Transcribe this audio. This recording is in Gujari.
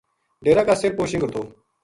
ڈیرا کا سِر پو شِنگر تھو